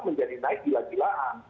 menjadi naik gila gilaan